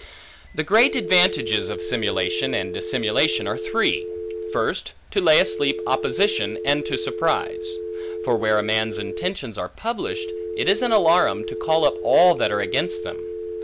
The great advantages of simulation and dissimulation are three. First, to lay asleep opposition, and to surprise. For where a man's intentions are published, it is an alarum, to call up all that are against them.